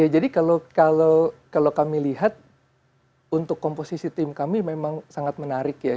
jadi kalau kami lihat untuk komposisi tim kami memang sangat menarik ya